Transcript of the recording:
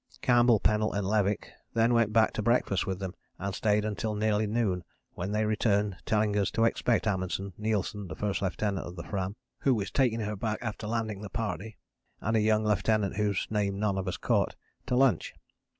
Campbell, Pennell and Levick then went back to breakfast with them and stayed until nearly noon when they returned telling us to expect Amundsen, Nilsen, the first lieutenant of the Fram who is taking her back after landing the party, and a young lieutenant whose name none of us caught, to lunch.